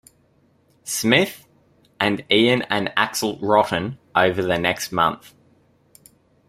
Smith, and Ian and Axl Rotten over the next month.